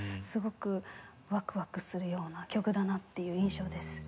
すごくワクワクするような曲だなっていう印象です。